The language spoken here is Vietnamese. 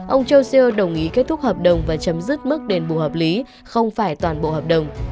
ông joeer đồng ý kết thúc hợp đồng và chấm dứt mức đền bù hợp lý không phải toàn bộ hợp đồng